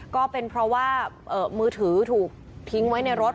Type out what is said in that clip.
ก็เป็นเพราะว่ามือถือถูกทิ้งไว้ในรถ